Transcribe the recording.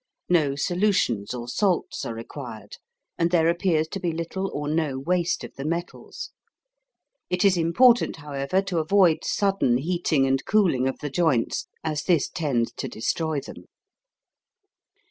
No solutions or salts are required, and there appears to be little or no waste of the metals. It is important, however, to avoid sudden heating and cooling of the joints, as this tends to destroy them.